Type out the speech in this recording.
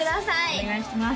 お願いします